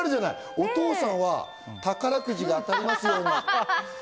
お父さんは宝くじが当たりますようにと。